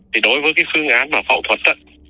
thì đối với cái phương án mà phẫu thuật á